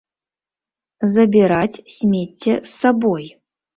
Забіраць смецце з сабой.